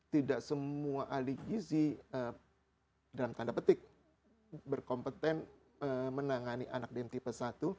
tidak semua ahli gizi dalam tanda petik berkompeten menangani anak dan tipe satu